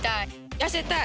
痩せたい。